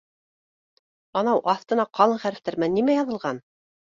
— Анау аҫтына ҡалын хәрефтәр менән нимә яҙылған